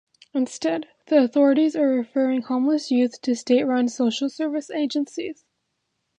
Instead, the authorities are referring homeless youth to state-run social service agencies.